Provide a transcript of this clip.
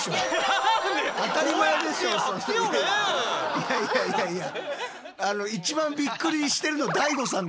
いやいやいやいや。